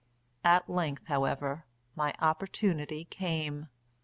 At length, however, my opportunity came.